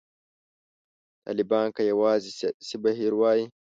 طالبان که یوازې سیاسي بهیر وای.